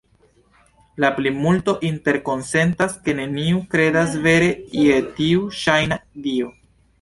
La plimulto interkonsentas, ke neniu kredas vere je tiu ŝajna dio.